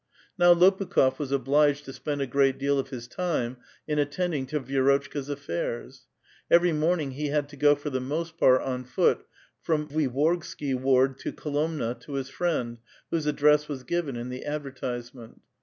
Now Lopiikhof was obliged to spend a great deal of his time ill alteiiding to Vierotchka's a^airs. Every morning he had to go for the most part on foot from Vuiboi^sky ward to Kolomna to his friend whose address was given in the advertisement.